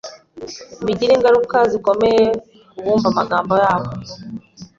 bigire ingaruka zikomeye ku bumva amagambo yabo